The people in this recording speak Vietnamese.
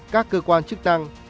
các cơ quan chức tăng